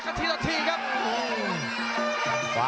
ขวาต่อขวา